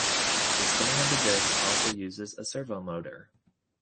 The spinning of the disk also uses a servo motor.